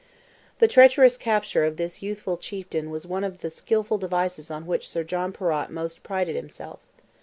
The treacherous capture of this youthful chieftain was one of the skilful devices on which Sir John Perrott most prided himself.